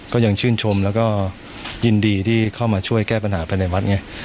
ก็ยังชื่นชมแล้วก็ยินดีที่เข้ามาช่วยแก้ปัญหาภายในวัดไง